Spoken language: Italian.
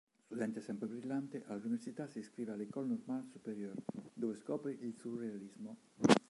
Studente sempre brillante, all'università si iscrive alla École normale supérieure dove scopre il surrealismo.